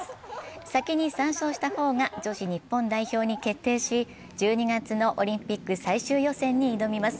先に３勝した方が女子日本代表に決定し１２月のオリンピック最終予選に挑みます。